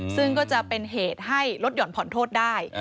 ซึ่งก็จะเป็นเหตุให้ลดหย่อนผ่อนโทษได้